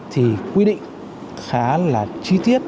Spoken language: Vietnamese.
thì quy định khá là chi tiết